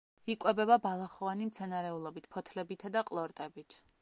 იკვებება ბალახოვანი მცენარეულობით, ფოთლებითა და ყლორტებით.